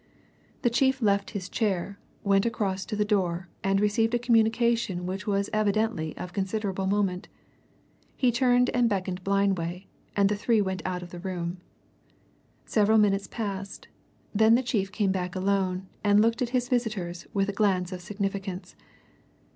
The chief left his chair, went across to the door, and received a communication which was evidently of considerable moment. He turned and beckoned Blindway; the three went out of the room. Several minutes passed; then the chief came back alone, and looked at his visitors with a glance of significance.